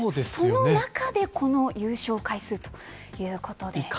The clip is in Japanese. その中でこの優勝回数ということで。